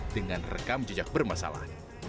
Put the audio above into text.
dengan rekam jejak bermasalah